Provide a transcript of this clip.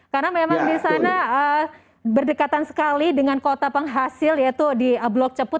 karena memang di sana berdekatan sekali dengan kota penghasil yaitu di blok ceput